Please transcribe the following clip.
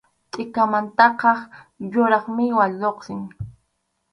Tʼikanmantataq yuraq millwa lluqsin.